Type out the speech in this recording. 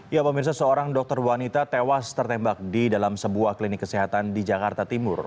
ya pemirsa seorang dokter wanita tewas tertembak di dalam sebuah klinik kesehatan di jakarta timur